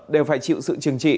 đều phải chịu sự chừng trị